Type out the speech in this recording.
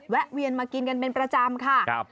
แวนมากินกันเป็นประจำค่ะ